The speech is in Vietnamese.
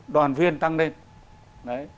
đoàn viên tăng lên